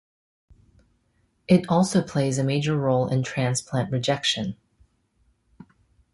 It also plays a major role in transplant rejection.